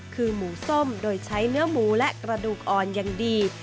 คือหมูส้มโดยใช้เนื้อหมูและกระดูกอ่อนอย่างดี